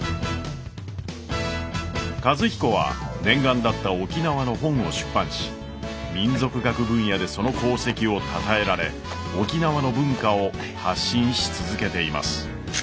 和彦は念願だった沖縄の本を出版し民俗学分野でその功績をたたえられ沖縄の文化を発信し続けています。